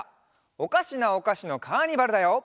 「おかしなおかしのカーニバル」だよ。